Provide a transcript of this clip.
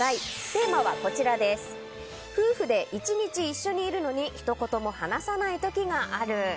テーマは夫婦で一日一緒にいるのに一言も話さない時がある。